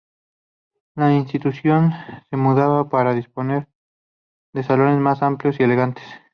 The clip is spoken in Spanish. La institución se mudaba para disponer de salones más amplios y elegantes.